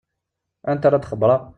Anta ara d-xebbṛeɣ?